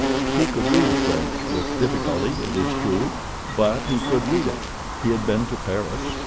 He could read French, with difficulty, it is true; but he could read it. He had been to Paris.